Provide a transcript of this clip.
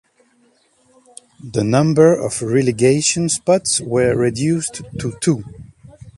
The number of relegation spots were reduced to two.